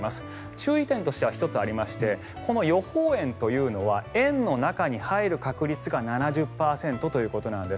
注意点としては１つありましてこの予報円というのは円の中に入る確率が７０％ということなんです。